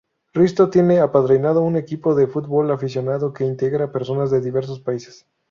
Risto tiene apadrinado un equipo de fútbol aficionado que integra personas de diversos países